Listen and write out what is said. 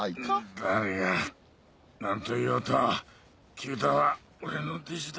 誰が何と言おうと九太は俺の弟子だ。